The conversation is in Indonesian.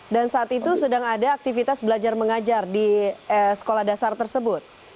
dan saat itu sedang ada aktivitas belajar mengajar di sekolah dasar tersebut